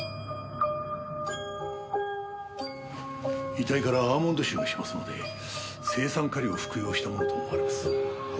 遺体からアーモンド臭がしますので青酸カリを服用したものと思われます。